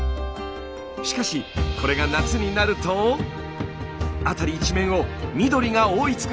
しかしこれが夏になると辺り一面を緑が覆い尽くします。